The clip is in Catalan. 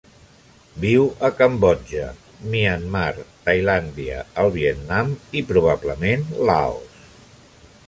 Viu a Cambodja, Myanmar, Tailàndia, el Vietnam i, probablement, Laos.